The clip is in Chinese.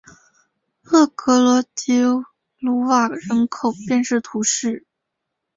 勒格罗迪鲁瓦人口变化图示